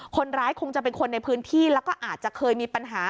คนร้ายคงจะเป็นคนในพื้นที่แล้วก็อาจจะเคยมีปัญหา